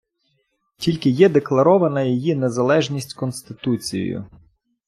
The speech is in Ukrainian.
Тільки є декларована її незалежність Конституцією.